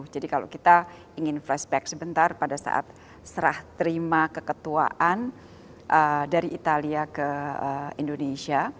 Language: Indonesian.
jadi kalau kita ingin flashback sebentar pada saat serah terima keketuaan dari italia ke indonesia